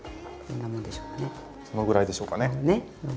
そのぐらいでしょうかね。